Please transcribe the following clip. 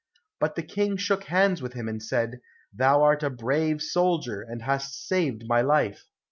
But the King shook hands with him, and said, "Thou art a brave soldier, and hast saved my life.